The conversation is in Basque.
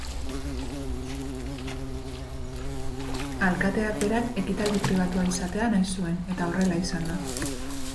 Alkateak berak ekitaldi pribatua izatea nahi zuen eta horrela izan da.